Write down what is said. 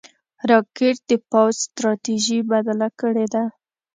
راکټ د پوځ ستراتیژي بدله کړې ده